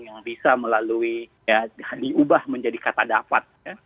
yang bisa melalui ya diubah menjadi kata dapat